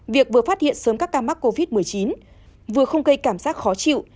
việc vừa phát hiện sớm các ca mắc covid một mươi chín vừa không gây cảm giác khó chịu